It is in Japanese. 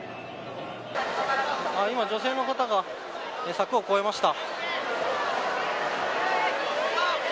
今、女性の方が柵を越えました。